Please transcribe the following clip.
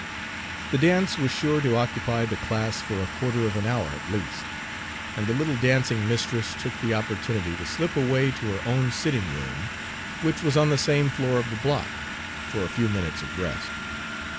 The dance was sure to occupy the class for a quarter of an hour at least, and the little dancing mistress took the opportunity to slip away to her own sitting room, which was on the same floor of the block, for a few minutes of rest.